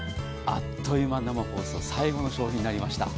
あっという間に最後の商品になりました。